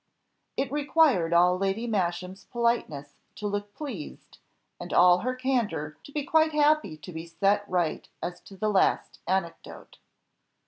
It required all Lady Masham's politeness to look pleased, and all her candour to be quite happy to be set right as to that last anecdote.